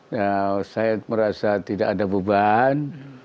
nah saya merasa tidak ada beban